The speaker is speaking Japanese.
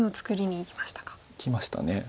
いきました。